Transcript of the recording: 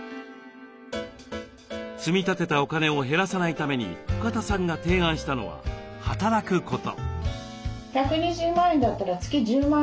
積み立てたお金を減らさないために深田さんが提案したのは働くこと。